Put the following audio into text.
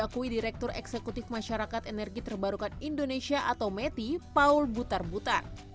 ketua pembangunan energi terbarukan indonesia atau meti paul butar butar